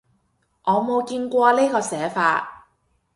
我冇見過呢個寫法